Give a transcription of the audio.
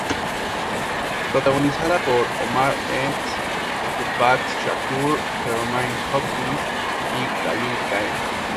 Protagonizada por Omar Epps, Tupac Shakur, Jermaine Hopkins y Khalil Kain.